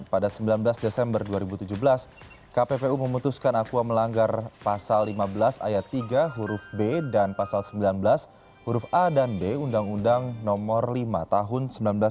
pada sembilan belas desember dua ribu tujuh belas kppu memutuskan aqua melanggar pasal lima belas ayat tiga huruf b dan pasal sembilan belas huruf a dan b undang undang nomor lima tahun seribu sembilan ratus sembilan puluh